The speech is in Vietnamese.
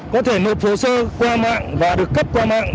có thể nộp hồ sơ qua mạng và được cấp qua mạng